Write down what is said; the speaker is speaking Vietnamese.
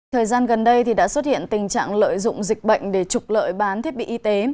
thời gian gần đây đã xuất hiện tình trạng lợi dụng dịch bệnh để trục lợi bán thiết bị y tế